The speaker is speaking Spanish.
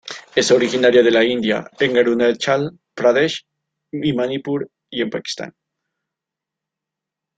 Es originaria de la India en Arunachal Pradesh y Manipur y en Pakistán.